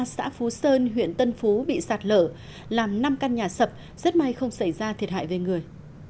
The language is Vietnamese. xã phú sơn huyện tân phú bị sạt lở làm năm căn nhà sập rất may không xảy ra thiệt hại về người